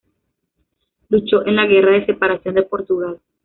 Luchó en la guerra de separación de Portugal.